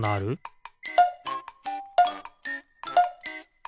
ピッ！